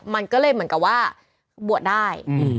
มันก็เลยเหมือนกับว่าบวชได้